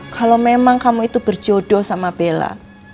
kalau memang kamu itu berjodoh sama bella